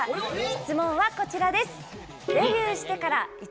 質問はこちらです。